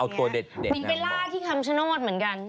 เอาตัวเด็ดนั่งบอกมีเวลาที่คำชนอดเหมือนกัน